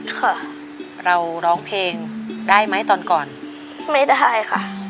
ค่ะเราร้องเพลงได้ไหมตอนก่อนไม่ได้ค่ะ